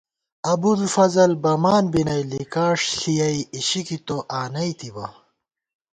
ابُوالفضل بَمان بی نئ ، لِکاݭ ݪِیَئ اِشِکی تو آنَئیتِبہ